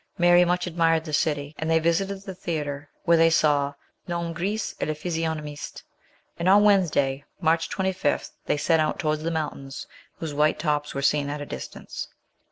Mary much admired the city, and they visited the theatre, where they saw L'homme gris et le Physionomiste ; and on Wednesday, March 25, they set out towards the mountains whose white tops were seen at a dis tance.